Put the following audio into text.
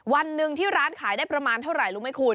วันหนึ่งที่ร้านขายได้ประมาณเท่าไหร่รู้ไหมคุณ